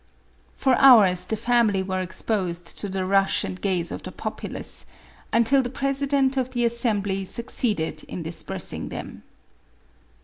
For hours the family were exposed to the rush and gaze of the populace, until the president of the As sembly succeeded in dispersing them.